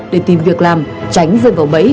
để tìm việc làm tránh rơi vào bẫy